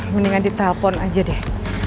mendingan ditelepon aja deh